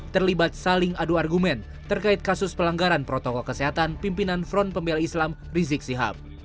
terlibat saling adu argumen terkait kasus pelanggaran protokol kesehatan pimpinan front pembela islam rizik sihab